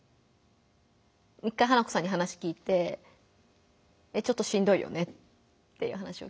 １回花子さんに話聞いて「えっちょっとしんどいよね」っていう話を聞いて。